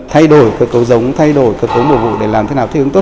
thay đổi cơ cấu giống thay đổi cơ cấu bổ vụ để làm thế nào